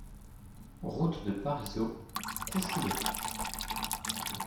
Route de Parisot, Coufouleux